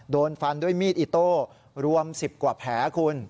โดนฟันด้วยมีดอิโต้รวม๑๐กว่าแผลคุณ